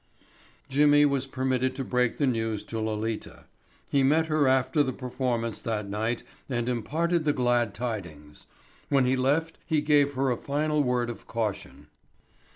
Jimmy was permitted to break the news to Lolita. He met her after the performance that night and imparted the glad tidings. When he left he gave her a final word of caution.